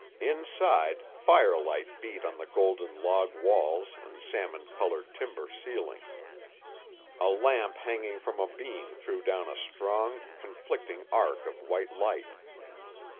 Inside, firelight beat on the golden log walls and salmon colored timber ceiling; a lamp hanging from a beam threw down a strong, conflicting arc of white light.